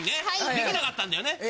出来なかったんだよね。